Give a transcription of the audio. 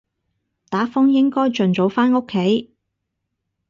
打風應該盡早返屋企